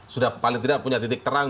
sudah paling tidak punya titik terang